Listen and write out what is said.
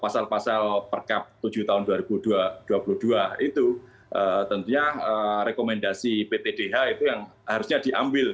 pasal pasal perkap tujuh tahun dua ribu dua puluh dua itu tentunya rekomendasi ptdh itu yang harusnya diambil